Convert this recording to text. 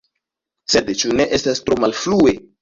Sed ĉu ne estas tro malfrue?